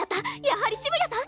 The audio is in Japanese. やはり澁谷さん？